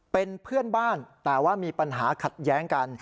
เป็นเพื่อนบ้านแต่ว่ามีปัญหาขัดแย้งกัน